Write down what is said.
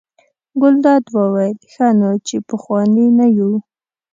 ګلداد وویل: ښه نو چې پخواني نه یو.